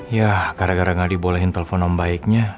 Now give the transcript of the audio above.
yah gara gara gak dibolehin telepon om baiknya